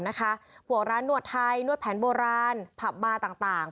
พวกร้านนวดไทยนวดแผนโบราณผับบาร์ต่าง